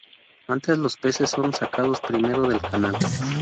Antes los peces son sacados primero del canal.